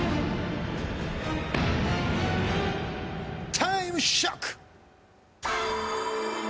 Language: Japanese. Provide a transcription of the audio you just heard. タイムショック！